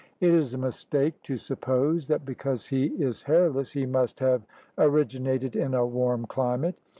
'' It is a mistake to suppose that because he is hairless he must have originated in a warm climate.